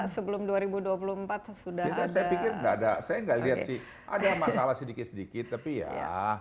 sebelum dua ribu dua puluh empat sudah itu saya pikir nggak ada saya nggak lihat sih ada masalah sedikit sedikit tapi ya